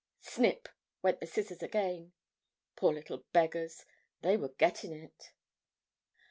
Snip, went the scissors again. Poor little beggars; they were getting it!